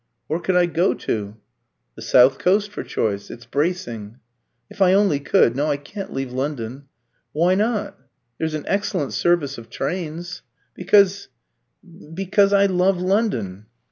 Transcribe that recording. "Where could I go to?" "The south coast for choice. It's bracing." "If I only could! No, I can't leave London." "Why not? There's an excellent service of trains " "Because because I love London."